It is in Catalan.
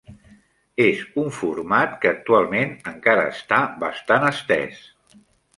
És un format que actualment encara està bastant estès.